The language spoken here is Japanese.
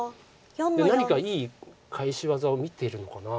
何かいい返し技を見てるのかな。